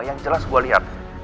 yang jelas gue liat